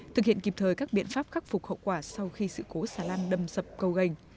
thực hiện kịp thời các biện pháp khắc phục hậu quả sau khi sự cố xà lan đâm sập cầu gành